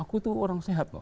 aku itu orang sehat loh